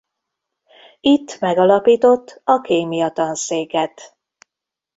Itt megalapított a Kémia Tanszéket.